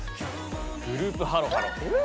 グループハロハロ。